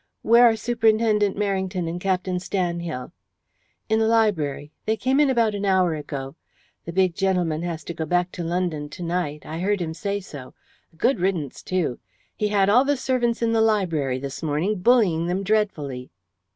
"Where are Superintendent Merrington and Captain Stanhill?" "In the library. They come in about an hour ago. The big gentleman has to go back to London to night I heard him say so. A good riddance too. He had all the servants in the library this morning, bullying them dreadfully."